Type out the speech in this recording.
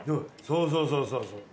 そうそうそうそう。